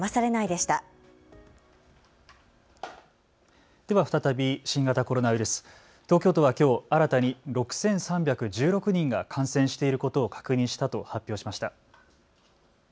では再び新型コロナウイルス、東京都はきょう新たに６３１６人が感染していることを確認したと発表しました。